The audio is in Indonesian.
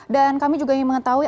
dan kami juga ingin mengetahui